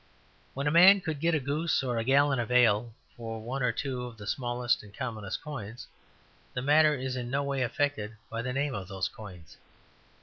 When a man could get a goose or a gallon of ale for one or two of the smallest and commonest coins, the matter is in no way affected by the name of those coins.